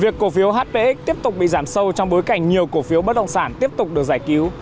việc cổ phiếu hpx tiếp tục bị giảm sâu trong bối cảnh nhiều cổ phiếu bất động sản tiếp tục được giải cứu